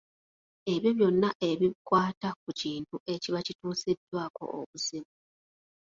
Ebyo byonna ebikwata ku kintu ekiba kituusiddwako obuzibu.